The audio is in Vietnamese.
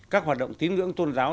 các hoạt động tín ngưỡng tôn giáo